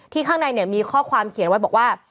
ข้างในมีข้อความเขียนไว้บอกว่า